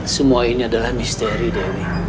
semua ini adalah misteri dewi